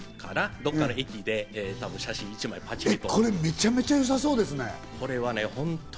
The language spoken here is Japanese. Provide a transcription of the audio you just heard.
どっかの駅で、写真を１枚パチリと。